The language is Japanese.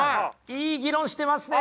いい議論してますね！